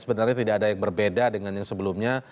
sebenarnya tidak ada yang berbeda dengan yang sebelumnya